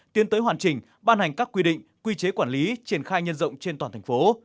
tiến tới hoàn chỉnh ban hành các quy định quy chế quản lý triển khai nhân rộng trên toàn thành phố